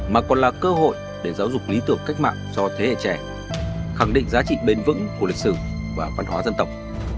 mà còn là cơ hội để giáo dục lý tưởng cách mạng cho thế hệ trẻ khẳng định giá trị bền vững của lịch sử và văn hóa dân tộc